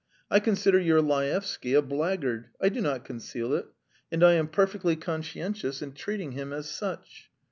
I consider your Laevsky a blackguard; I do not conceal it, and I am perfectly conscientious in treating him as such.